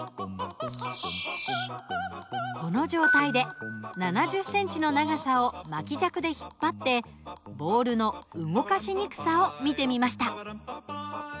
この状態で７０センチの長さを巻き尺で引っ張ってボールの動かしにくさを見てみました。